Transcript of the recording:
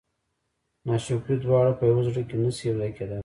ناشکري دواړه په یوه زړه کې نه شي یو ځای کېدلی.